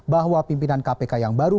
bahwa pimpinan kpk yang baru